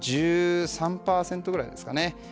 １３％くらいですかね。